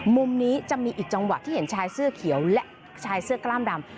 มุมนี้จะมีอีกจังหวะที่เห็นชายเสื้อเขียวและชายเสื้อกล้ามดำ